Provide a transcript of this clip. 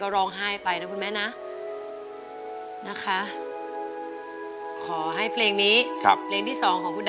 แล้วก็เห็นสายตามุ่งมั่นของคนที่เป็นลูกที่แม่นั่งอยู่ตรงนี้ด้วย